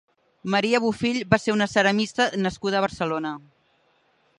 Maria Bofill va ser una ceramista nascuda a Barcelona.